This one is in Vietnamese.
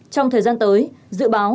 trong thời gian tới dự báo